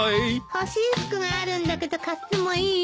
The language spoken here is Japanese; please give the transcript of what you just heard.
欲しい服があるんだけど買ってもいい？